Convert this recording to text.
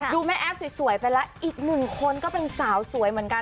แม่แอฟสวยไปแล้วอีกหนึ่งคนก็เป็นสาวสวยเหมือนกัน